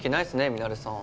ミナレさん。